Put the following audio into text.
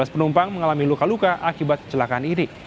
dua belas penumpang mengalami luka luka akibat kecelakaan ini